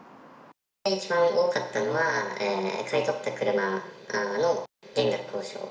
一番多かったのは、買い取った車側の減額交渉。